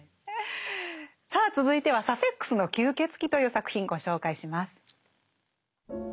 さあ続いては「サセックスの吸血鬼」という作品ご紹介します。